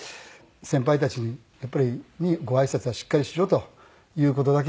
先輩たちにご挨拶はしっかりしろという事だけ。